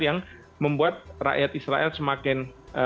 yang membuat rakyat israel semakin